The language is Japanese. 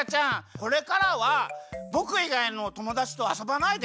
これからはぼくいがいのともだちとあそばないで。